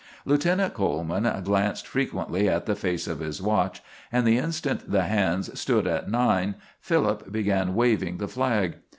Lieutenant Coleman glanced frequently at the face of his watch, and the instant the hands stood at nine Philip began waving the flag.